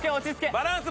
バランス！